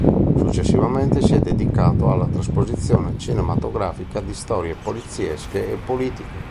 Successivamente si è dedicato alla trasposizione cinematografica di storie poliziesche e politiche.